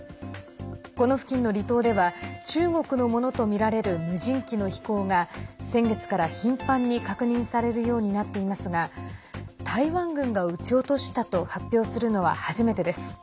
この付近の離島では中国のものとみられる無人機の飛行が先月から頻繁に確認されるようになっていますが台湾軍が撃ち落としたと発表するのは初めてです。